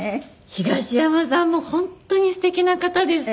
東山さんも本当にすてきな方です。